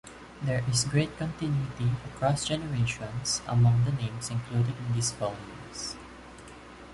There is great continuity across generations among the names included in these volumes.